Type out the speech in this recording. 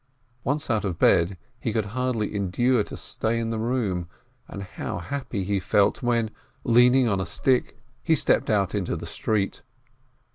Once out of bed, he could hardly endure to stay in the room, and how happy he felt, when, leaning on a stick, he stept out into the street!